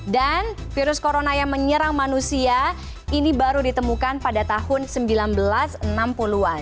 dan virus corona yang menyerang manusia ini baru ditemukan pada tahun seribu sembilan ratus enam puluh an